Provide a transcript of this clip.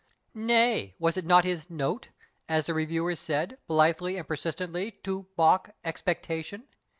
Nay, was it not his " note," as the reviewers said, blithely and persistently to balk " expectation